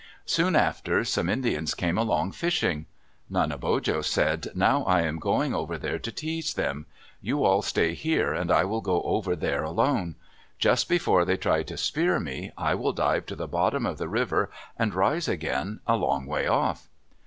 Soon after some Indians came along fishing. Nanebojo said, "Now I am going over there to tease them. You all stay here and I will go over there alone. Just before they try to spear me, I will dive to the bottom of the river and rise again a long way off."